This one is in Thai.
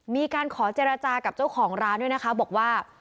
มีการขอเจรจากับเจ้าของร้านด้วยนะคะบอกว่า